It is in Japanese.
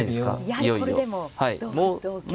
やはりこれでも同歩同香と。